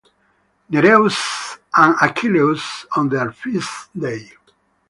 Nereus and Achilleus on their feast day.